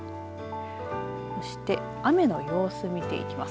そして、雨の様子見ていきます。